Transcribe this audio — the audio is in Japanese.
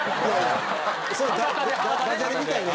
それダジャレみたいな。